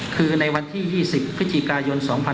คือในวันที่๒๐พย๒๕๖๒